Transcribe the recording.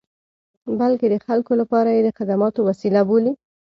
بلکې د خلکو لپاره یې د خدماتو وسیله بولي.